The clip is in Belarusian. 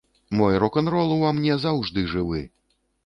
Мой рок-н-рол ува мне заўсёды жывы!